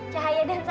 makan yang banyak